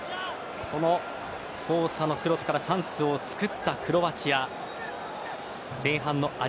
このソーサのクロスからチャンスを作ったクロアチア。